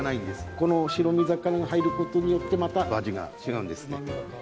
この白身魚が入ることによってまた味が違うんです。